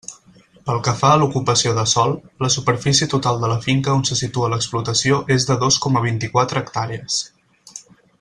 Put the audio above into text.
Pel que fa a l'ocupació de sòl, la superfície total de la finca on se situa l'explotació és de dos coma vint-i-quatre hectàrees.